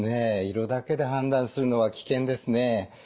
色だけで判断するのは危険ですね。